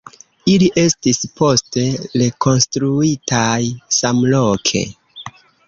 Ili estis poste rekonstruitaj samloke.